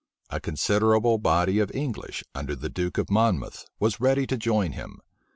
A considerable body of English, under the duke of Monmouth, was ready to join him.